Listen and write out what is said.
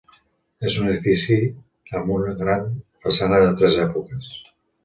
És un edifici amb una gran façana de tres èpoques.